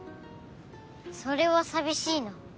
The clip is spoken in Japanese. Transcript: それは寂しいな。